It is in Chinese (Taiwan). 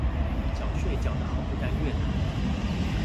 繳稅繳得好不甘願啊